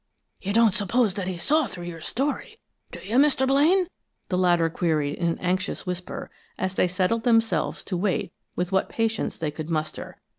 "You don't suppose that he saw through your story, do you, Mr. Blaine?" the latter queried in an anxious whisper, as they settled themselves to wait with what patience they could muster.